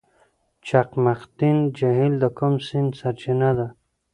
چقمقتین جهیل د کوم سیند سرچینه ده؟